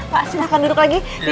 pak silahkan duduk lagi